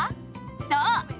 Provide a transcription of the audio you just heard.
そう！